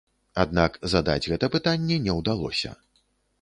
Аднак задаць гэта пытанне не ўдалося.